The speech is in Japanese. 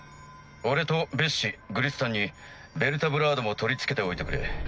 俺とベッシグリスタンにベルタ・ブラードも取り付けておいてくれ。